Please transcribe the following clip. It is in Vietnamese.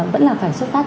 vẫn là phải xuất phát